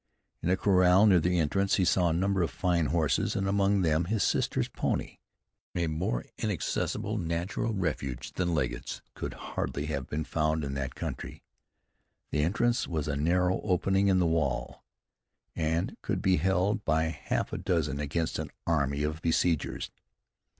In a corral near the entrance, he saw a number of fine horses, and among them his sister's pony. A more inaccessible, natural refuge than Legget's, could hardly have been found in that country. The entrance was a narrow opening in the wall, and could be held by half a dozen against an army of besiegers.